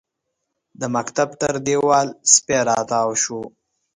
د مکتب تر دېواله سپی راتاو شو.